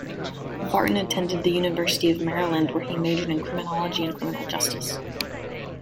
Barton attended the University of Maryland where he majored in Criminology and criminal justice.